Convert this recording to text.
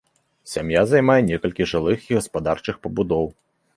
Сям'я займае некалькі жылых і гаспадарчых пабудоў.